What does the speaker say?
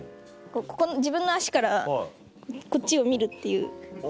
自分の足からこっちを見るっていう。